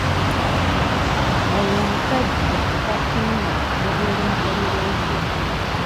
Oyo omusajja tasiima ne bw'olimukolera otya.